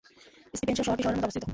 Stephenson শহরটি শহরের মধ্যে অবস্থিত।